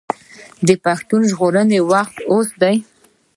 د پښتو د ژغورلو وخت اوس دی.